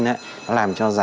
nó làm cho giá